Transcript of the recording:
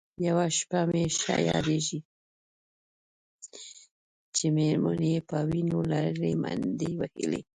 یوه شپه مې ښه یادېږي چې مېرمن یې په وینو لړلې منډې وهلې.